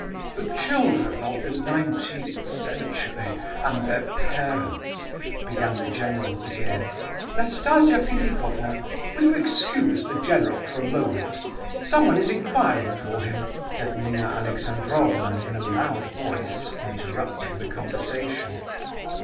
"The children of the nineteenth century, and their parents—" began the general, again. "Nastasia Philipovna, will you excuse the general for a moment? Someone is inquiring for him," said Nina Alexandrovna in a loud voice, interrupting the conversation.